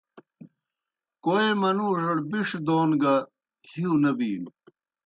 کوئے منُوڙَڑ بِݜ دون گہ ہِیؤ نہ بِینوْ۔